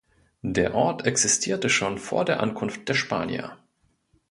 Der Ort existierte schon vor der Ankunft der Spanier.